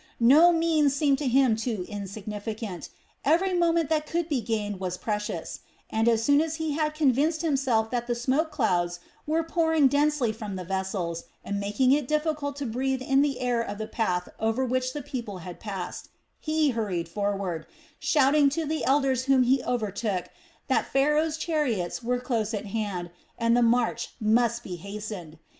No means seemed to him too insignificant, every moment that could be gained was precious; and as soon as he had convinced himself that the smoke clouds were pouring densely from the vessels and making it difficult to breathe the air of the path over which the people had passed, he hurried forward, shouting to the elders whom he overtook that Pharaoh's chariots were close at hand and the march must be hastened.